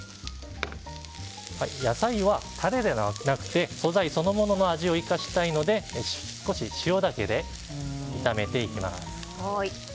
野菜はタレではなくて素材そのものの味を生かしたいので少し塩だけで炒めていきます。